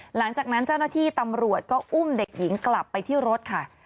หลังจากนั้นเจ้าหน้าที่ตำรวจก็อุ้มเด็กหญิงกลับไปที่รถค่ะ